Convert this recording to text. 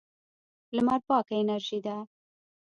لمر پاکه انرژي ده.